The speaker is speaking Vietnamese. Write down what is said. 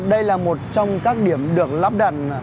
đây là một trong các điểm được lắp đặt